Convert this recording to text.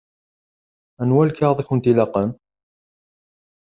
Anwa lkaɣeḍ i kent-ilaqen?